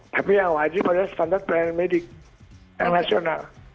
tapi yang wajib adalah standar pelayanan medik yang nasional